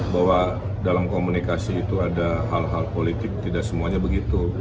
bahwa dalam komunikasi itu ada hal hal politik tidak semuanya begitu